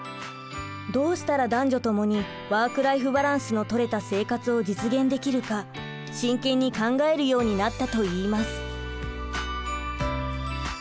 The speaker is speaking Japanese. どうしたら男女ともにワーク・ライフ・バランスのとれた生活を実現できるか真剣に考えるようになったといいます。